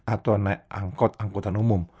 atau naik angkot angkutan umum